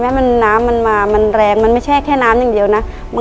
ในแคมเปญพิเศษเกมต่อชีวิตโรงเรียนของหนู